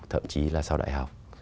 thậm chí là sau đại học